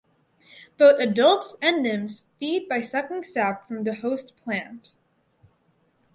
Both adults and nymphs feed by sucking sap from the host plant.